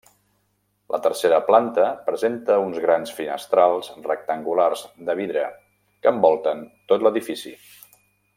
La tercera planta presenta uns grans finestrals rectangulars de vidre, que envolten tot l'edifici.